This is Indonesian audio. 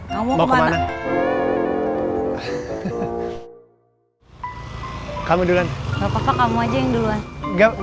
gapapa kamu aja yang duluan